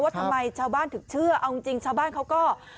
ทำไมชาวบ้านถึงเชื่อเอาจริงชาวบ้านเขาก็